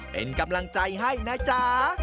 เป็นกำลังใจให้นะจ๊ะ